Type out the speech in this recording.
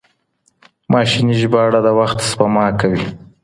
ماشيني ژباړه د وخت سپما کوي.